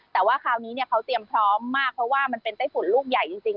แต่ว่าคราวนี้เขาเตรียมพร้อมมากเพราะว่ามันเป็นไต้ฝุ่นลูกใหญ่จริง